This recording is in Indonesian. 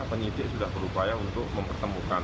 penyidik sudah berupaya untuk mempertemukan